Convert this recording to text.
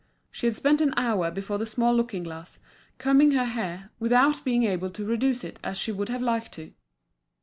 She had spent an hour before the small looking glass, combing her hair, without being able to reduce it as she would have liked to.